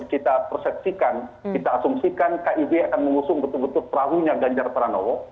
kita persepsikan kita asumsikan kib akan mengusung betul betul perahunya ganjar pranowo